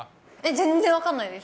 全然分かんないです。